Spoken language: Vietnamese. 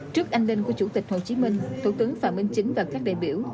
trước anh linh của chủ tịch hồ chí minh thủ tướng phạm minh chính và các đại biểu